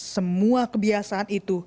semua kebiasaan itu